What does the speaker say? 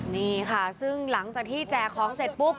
นี่ค่ะซึ่งหลังจากที่แจกของเสร็จปุ๊บ